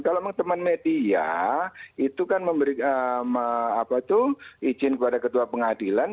kalau memang teman media itu kan memberikan izin kepada ketua pengadilan